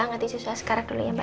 angkatin susu askara dulu ya mbak